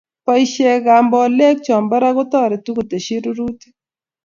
boisheekab mboleekchebo raa kotoretuu koteshi rurutik